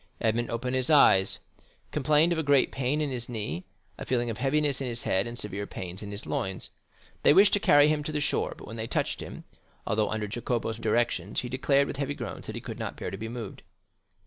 Edmond opened his eyes, complained of great pain in his knee, a feeling of heaviness in his head, and severe pains in his loins. They wished to carry him to the shore; but when they touched him, although under Jacopo's directions, he declared, with heavy groans, that he could not bear to be moved.